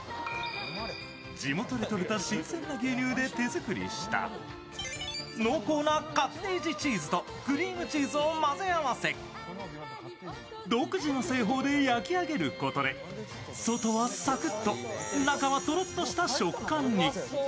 地元でとれた新鮮な牛乳で手作りした濃厚なカッテージチーズとクリームチーズを混ぜ合わせ独自の製法で焼き上げることで外はサクッと、中はトロッとした食感に。